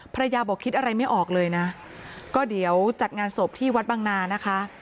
บอกคิดอะไรไม่ออกเลยนะก็เดี๋ยวจัดงานศพที่วัดบางนานะคะ